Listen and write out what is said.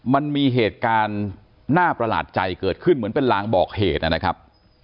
มันมีเหตุการณ์น่าประหลาดใจเกิดขึ้นเหมือนเป็นลางบอกเหตุนะครับ